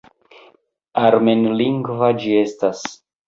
Armenlingva ĝi estas.